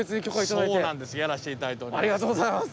そうなんですやらして頂いております。